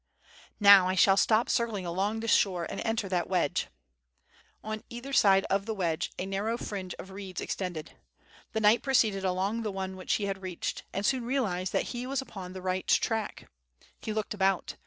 "Now I shall stop circling along the shore and enter that wedge."" On either side of the wedge a narrow fringe of reeds ex tended, "^he knight proceeded along the one which he had reached, and soon realized that he was upon the right track. He looked about.